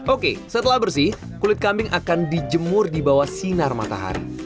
oke setelah bersih kulit kambing akan dijemur di bawah sinar matahari